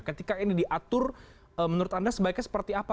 ketika ini diatur menurut anda sebaiknya seperti apa